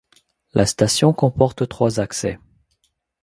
La station comporte trois accès.